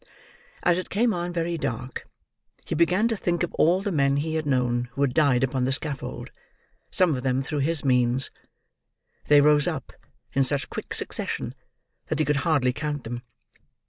As it came on very dark, he began to think of all the men he had known who had died upon the scaffold; some of them through his means. They rose up, in such quick succession, that he could hardly count them.